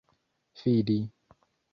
fidi